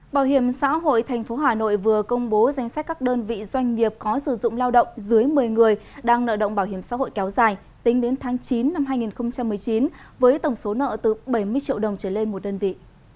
bảo hiểm xã hội tp hà nội vừa công bố danh sách các đơn vị doanh nghiệp có sử dụng lao động dưới một mươi người đang nợ động bảo hiểm xã hội kéo dài tính đến tháng chín năm hai nghìn một mươi chín với tổng số nợ từ bảy mươi triệu đồng trở lên một đơn vị